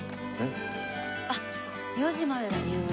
あっ４時までだ入園。